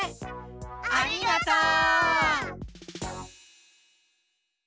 ありがとう！